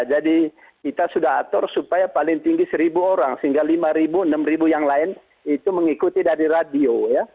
jadi kita sudah atur supaya paling tinggi satu orang sehingga lima enam yang lain itu mengikuti dari radio